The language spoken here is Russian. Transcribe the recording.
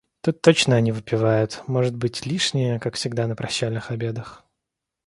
Тут точно они выпивают, может быть, лишнее, как всегда на прощальных обедах.